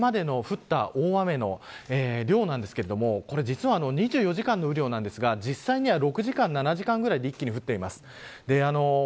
これまでの降った大雨の雨量なんですが実は２４時間の雨量なんですが実際には６時間、７時間ぐらいで一気に降っています。